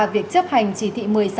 việc chấp hành chỉ thị một mươi sáu